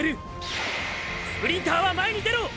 スプリンターは前に出ろ！！